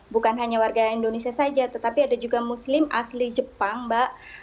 bukan hanya warga indonesia saja tetapi ada juga muslim asli jepang mbak